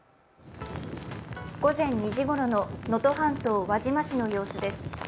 午前２時ごろの能登半島輪島市の様子です。